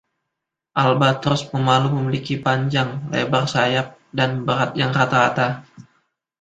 Albatros pemalu memiliki panjang, lebar sayap, dan berat yang rata-rata.